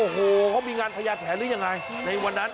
โอ้โหเขามีงานพญาแถนหรือยังไงในวันนั้น